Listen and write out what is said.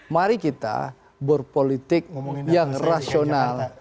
mari kita berpolitik yang rasional